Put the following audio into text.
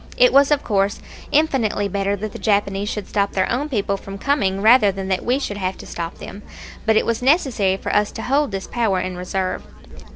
It was of course infinitely better that the Japanese should stop their own people from coming rather than that we should have to stop them; but it was necessary for us to hold this power in reserve.